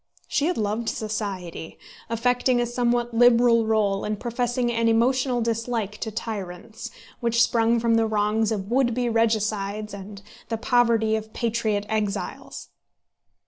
She had loved society, affecting a somewhat liberal rôle, and professing an emotional dislike to tyrants, which sprung from the wrongs of would be regicides and the poverty of patriot exiles.